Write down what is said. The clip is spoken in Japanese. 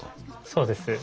そうです。